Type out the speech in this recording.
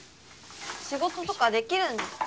仕事とかできるんですか？